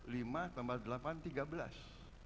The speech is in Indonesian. lima tambah delapan tiga belas